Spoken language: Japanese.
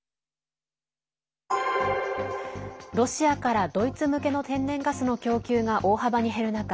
ロシアからドイツ向けの天然ガスの供給が大幅に減る中